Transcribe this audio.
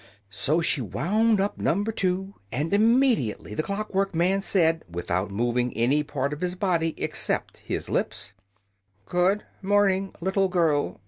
So she wound up Number Two, and immediately the clock work man said, without moving any part of his body except his lips: "Good morn ing, lit tle girl.